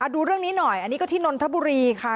ดูเรื่องนี้หน่อยอันนี้ก็ที่นนทบุรีค่ะ